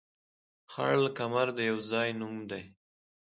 خړ کمر د يو ځاى نوم دى